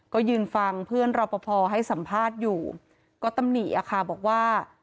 ก็ยืนฟังเพื่อนรอปภให้สัมภาษณ์อยู่ก็ตำหนิอะค่ะบอกว่า